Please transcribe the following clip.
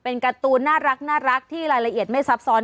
การ์ตูนน่ารักที่รายละเอียดไม่ซับซ้อน